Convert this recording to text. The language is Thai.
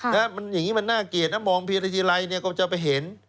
อย่างนี้มันน่าเกลียดนะมองเพียทีไรเนี่ยก็จะไปเห็น